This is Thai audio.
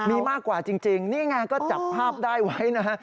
มีมากกว่าจริงนี่ไงก็จับภาพได้ไว้นะฮะ